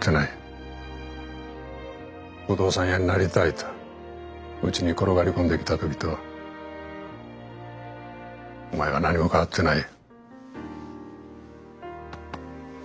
「不動産屋になりたい」とうちに転がり込んできた時とお前は何も変わってない。